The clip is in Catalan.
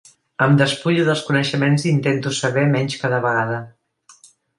Em despullo dels coneixements i intento saber menys cada vegada.